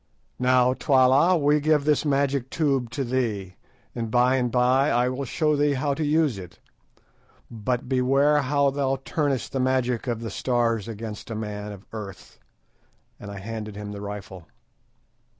"Now, Twala, we give this magic tube to thee, and by and by I will show thee how to use it; but beware how thou turnest the magic of the Stars against a man of earth," and I handed him the rifle.